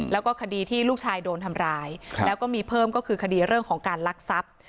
แล้วก็คดีที่ลูกชายโดนทำร้ายแล้วก็มีเพิ่มก็คือคดีเรื่องของการลักทรัพย์